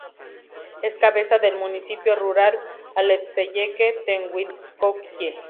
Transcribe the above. Es cabeza del municipio rural Alekseye-Tenguinskoye.